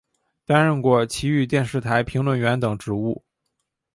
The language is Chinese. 担任过崎玉电视台评论员等职务。